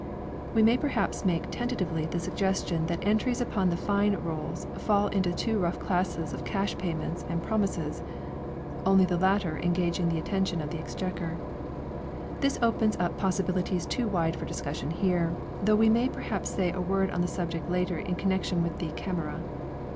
We may perhaps make tentatively the suggestion that entries upon the Fine Rolls fall into two rough classes of cash payments and promises, only the latter engaging the attention of the Exchequer. This opens up possibilities too wide for discussion here, though we may perhaps say a word on the subject later in connection with the "Camera".